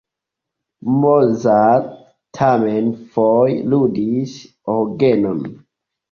Mozart tamen foje ludis orgenon.